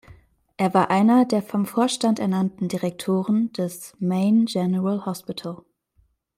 Er war einer der vom Vorstand ernannten Direktoren des "Maine General Hospital".